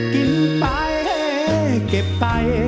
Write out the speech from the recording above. กินไปเก็บไป